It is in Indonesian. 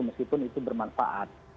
meskipun itu bermanfaat